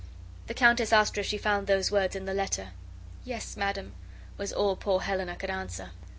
The countess asked her if she found those words in the letter. "Yes, madam," was all poor Helena could answer.